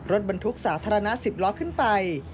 รถบรรทุกสาธารณะ๑๐ล้อขึ้นไป